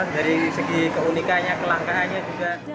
dari segi keunikannya kelangkaannya juga